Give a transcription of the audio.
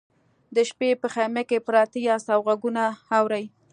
د شپې په خیمه کې پراته یاست او غږونه اورئ